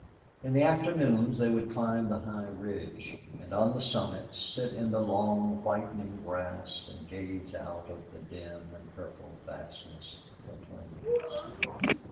In the afternoons they would climb the high ridge, and on the summit sit in the long whitening grass and gaze out over the dim and purple vastness of the plains.